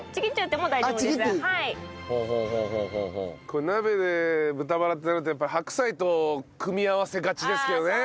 これ鍋で豚バラってなるとやっぱり白菜と組み合わせがちですけどね。